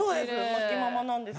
麻紀ママなんです。